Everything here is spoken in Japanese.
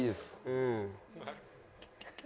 うん。